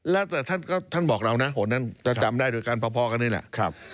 แล้วแต่ท่านบอกเรานะโหนั้นจะจำได้โดยการพอกันนี่แหละ